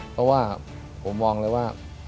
เพราะว่าผมมองเลยว่า